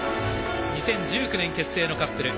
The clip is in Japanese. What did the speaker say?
２０１９年結成のカップル。